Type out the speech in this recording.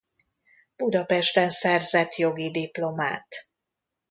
Budapesten szerzett jogi diplomát.